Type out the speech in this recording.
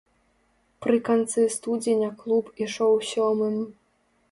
Пры канцы студзеня клуб ішоў сёмым.